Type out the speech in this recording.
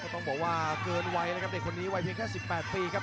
ต้องบอกว่าเกินวัยแล้วครับเด็กคนเนี้ยวัยแค่๑๘ปีครับ